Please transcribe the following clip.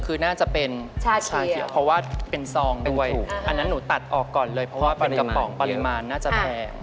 คือน่าจะเป็นเพราะว่าเป็นซองด้วยอันนั้นหนูตัดออกก่อนเลยเพราะว่าเป็นกระป๋องปริมาณน่าจะแพง